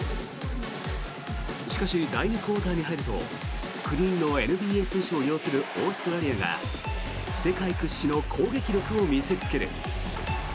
しかし第２クオーターに入ると９人のＮＢＡ選手を擁するオーストラリアが世界屈指の攻撃力を見せつける。